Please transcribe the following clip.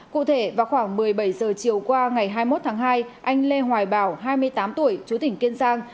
cụ thể vào khoảng một mươi bảy giờ chiều qua ngày hai mươi một tháng hai anh lê hoài bảo hai mươi tám tuổi chú tỉnh kiên giang